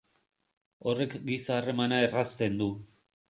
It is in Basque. Horrek giza harremana errazten du.